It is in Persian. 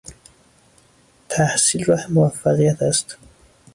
تحصیل راه موفقیت است.